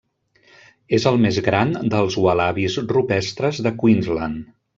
És el més gran dels ualabis rupestres de Queensland.